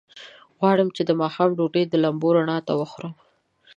غواړم چې د ماښام ډوډۍ د لمبو رڼا ته وخورم.